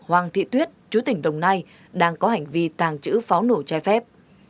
hoàng thị tuyết chú tỉnh đồng nai đang có hành vi tàng trữ pháo nổ trái phép